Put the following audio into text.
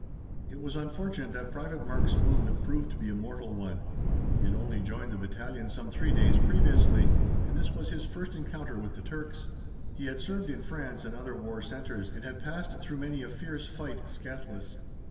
It was unfortunate that Private Marks' wound proved to be a mortal one. He had only joined the battalion some three days previously, and this was his first encounter with the Turks. He had served in France and other war centres, and had passed through many a fierce fight scathless.